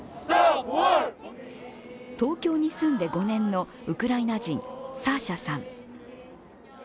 東京に住んで５年のウクライナ人サーシャさん。